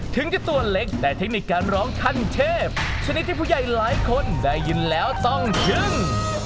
ถึงจะตัวเล็กแต่เทคนิคการร้องทันเทพชนิดที่ผู้ใหญ่หลายคนได้ยินแล้วต้องถึง